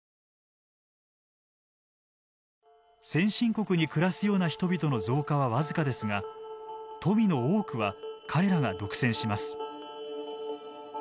先進国に暮らすような人々の増加は僅かですが富の多くは彼らが独占します。